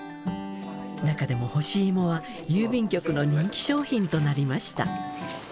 中でも干しいもは郵便局の人気商品となりました。